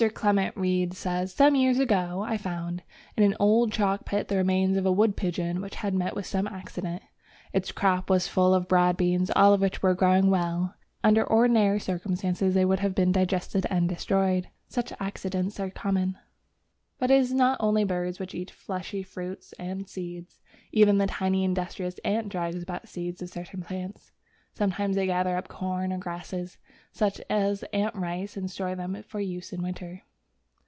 Clement Reid says: "Some years ago I found ... in an old chalk pit the remains of a wood pigeon which had met with some accident. Its crop was full of broad beans, all of which were growing well, though under ordinary circumstances they would have been digested and destroyed." Such accidents are common. Reid, Origin of the British Flora. But it is not only birds which eat fleshy fruits and seeds. Even the tiny, industrious ant drags about seeds of certain plants. Sometimes they gather up corn or grasses, such as ant rice, and store them for use in winter.